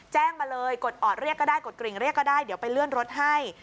แจ้งมาเลยกดออดเรียกก็ได้กดกริ่งเรียกก็ได้เดี๋ยวไปเลื่อนรถให้